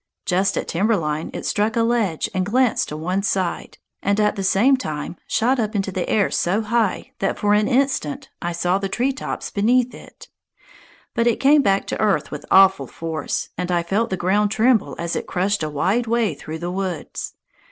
Just at timber line it struck a ledge and glanced to one side, and at the same time shot up into the air so high that for an instant I saw the treetops beneath it. But it came back to earth with awful force, and I felt the ground tremble as it crushed a wide way through the woods.